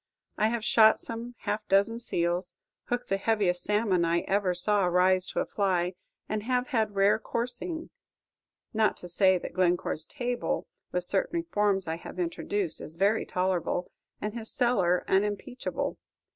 I have shot some half dozen seals, hooked the heaviest salmon I ever saw rise to a fly, and have had rare coursing, not to say that Glencore's table, with certain reforms I have introduced, is very tolerable, and his cellar unimpeachable.